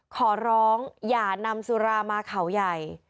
ขอร้องอย่านำสุรามาเขาใหญ่